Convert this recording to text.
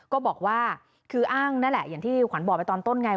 ก็บอกว่าคืออ้างนั่นแหละอย่างที่ขวัญบอกไปตอนต้นไง